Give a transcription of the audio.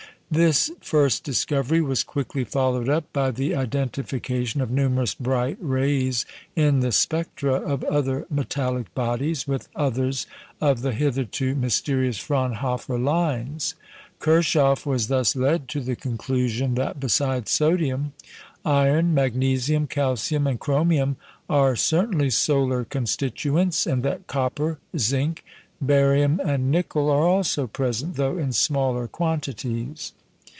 This first discovery was quickly followed up by the identification of numerous bright rays in the spectra of other metallic bodies with others of the hitherto mysterious Fraunhofer lines. Kirchhoff was thus led to the conclusion that (besides sodium) iron, magnesium, calcium, and chromium, are certainly solar constituents, and that copper, zinc, barium, and nickel are also present, though in smaller quantities.